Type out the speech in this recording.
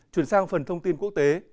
chuyển sang phần thông tin quốc tế